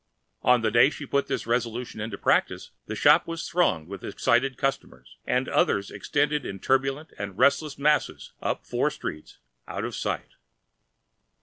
On the day when she put this resolution into practice the shop was thronged with excited customers, and others extended in turbulent and restless masses up four streets, out of sight.